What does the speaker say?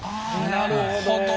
なるほどね。